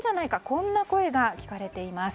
こんな声が聞かれています。